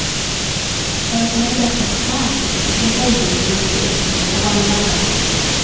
There is no better society than babies and sick people for one another.